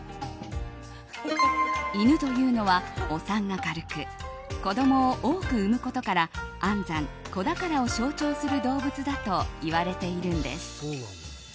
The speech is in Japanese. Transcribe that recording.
犬というのはお産が軽く子供を多く産むことから安産・子宝を象徴する動物だといわれているんです。